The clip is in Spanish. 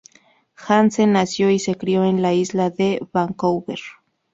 Hansen nació y se crio en la Isla de Vancouver.